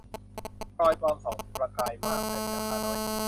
พลอยปลอมส่องประกายมากแต่มีราคาน้อย